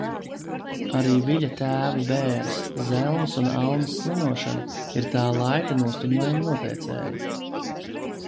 Arī Viļa tēva bēres, Zelmas un Almas slimošana ir tā laika noskaņojuma noteicēji.